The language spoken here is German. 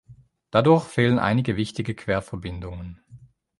Dadurch fehlen einige wichtige Querverbindungen.